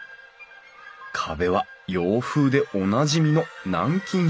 壁は洋風でおなじみの南京下